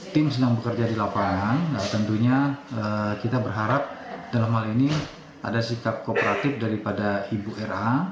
tim sedang bekerja di lapangan tentunya kita berharap dalam hal ini ada sikap kooperatif daripada ibu ra